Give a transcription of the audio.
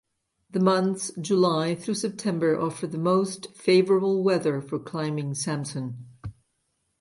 The months July through September offer the most favorable weather for climbing Sampson.